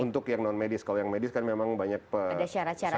untuk yang non medis kalau yang medis kan memang banyak syarat syarat